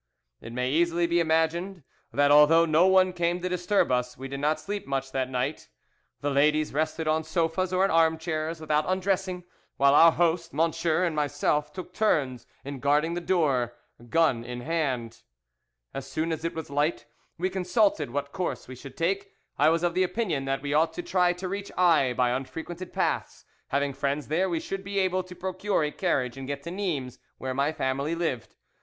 "It may easily be imagined that although no one came to disturb us we did not sleep much that night. The ladies rested on sofas or in arm chairs without undressing, while our host, M______ and myself took turns in guarding the door, gun in hand. "As soon as it was light we consulted what course we should take: I was of the opinion that we ought to try to reach Aix by unfrequented paths; having friends there, we should be able to procure a carriage and get to Nimes, where my family lived.